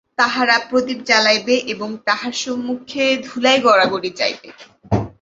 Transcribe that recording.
তাহারা প্রদীপ জ্বালাইবে এবং তাঁহার সম্মুখে ধুলায় গড়াগড়ি যাইবে।